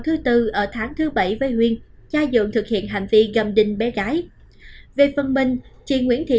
thư ở tháng thứ bảy với huyền gia dưỡng thực hiện hành vi gầm đinh bé gái về phân minh chị nguyễn thị